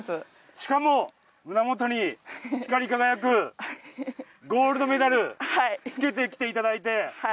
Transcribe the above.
しかも胸元に光り輝くゴールドメダルつけてきていただいて。